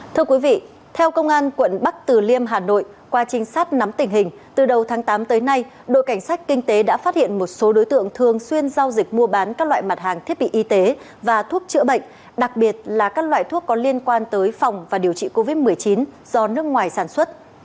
thưa quý vị theo công an quận bắc từ liêm hà nội qua trinh sát nắm tình hình từ đầu tháng tám tới nay đội cảnh sát kinh tế đã phát hiện một số đối tượng thường xuyên giao dịch mua bán các loại mặt hàng thiết bị y tế và thuốc chữa bệnh đặc biệt là các loại thuốc có liên quan tới phòng và điều trị covid một mươi chín do nước ngoài sản xuất